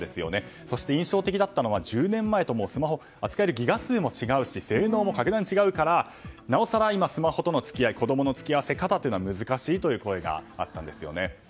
そして印象的だったのは１０年前と、スマホが扱えるギガ数も違うし性能も格段に違うからなおさら今、スマホとの付き合い子供の付き合わせ方が難しいという声があったんですよね。